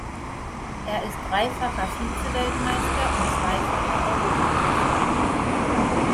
Er ist dreifacher Vizeweltmeister und zweifacher Europameister.